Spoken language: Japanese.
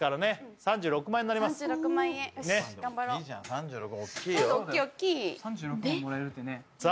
３６万もらえるってねさあ